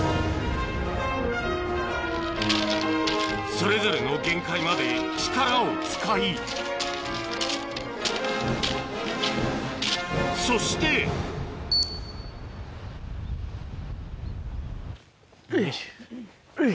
それぞれの限界まで力を使いそしてういうい！